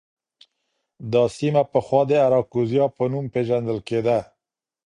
دا سیمه پخوا د اراکوزیا په نوم پېژندل کېده.